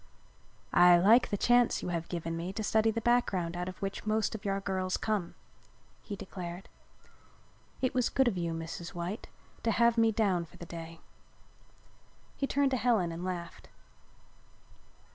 "I like the chance you have given me to study the background out of which most of our girls come," he declared. "It was good of you, Mrs. White, to have me down for the day." He turned to Helen and laughed.